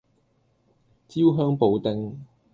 焦香布丁